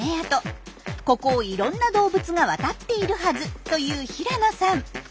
ここをいろんな動物が渡っているはずという平野さん。